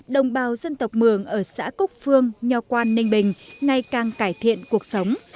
đồng bào dân tộc mường ở xã cốc phương nhòa quan ninh bình ngày càng cải thiện cuộc sống